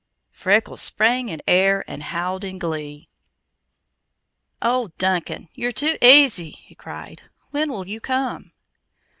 Freckles sprang in air and howled in glee. "Oh, Duncan! You're too, aisy" he cried. "When will you come?"